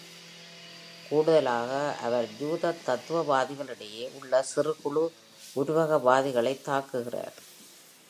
கூடுதலாக அவர் யூதத் தத்துவவாதிகளிடையே உள்ள சிறுகுழு உருவகவாதிகளைத் தாக்குகிறார்.